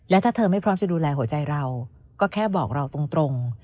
และถ้าเธอไม่พร้อมจะดูแลหัวใจเราก็แค่บอกเราตรง